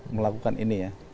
melakukan ini ya